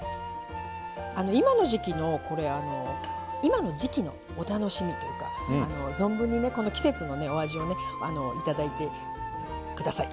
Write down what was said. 今の時季のお楽しみというか存分に季節のお味をいただいてください。